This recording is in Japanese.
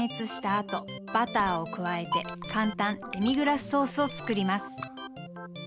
あとバターを加えて簡単デミグラスソースを作ります。